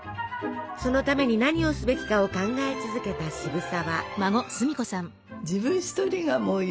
そのために何をすべきかを考え続けた渋沢。